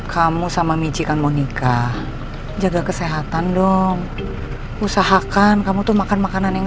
kamu sama mici kamu nikah jaga kesehatan dong usahakan kamu tuh makan makanan yang